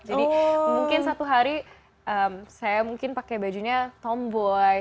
jadi mungkin satu hari saya pakai bajunya tomboy